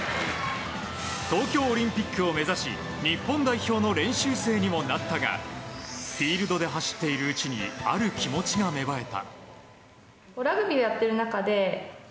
東京オリンピックを目指し日本代表の練習生にもなったがフィールドで走っているうちにある気持ちが芽生えた。